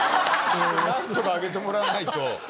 何とか上げてもらわないと。